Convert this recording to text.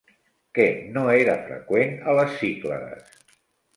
Què no era freqüent a les Cíclades?